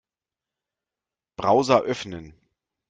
Browser öffnen.